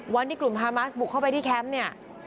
วันที่กลุ่มฮามาสบุกเข้าไปที่แคมป์เนี่ย